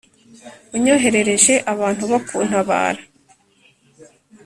unyoherereje abantu bo kuntabara